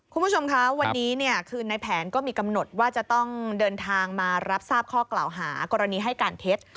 คุณผู้ชมคะวันนี้เนี่ยคือในแผนก็มีกำหนดว่าจะต้องเดินทางมารับทราบข้อกล่าวหากรณีให้การเท็จ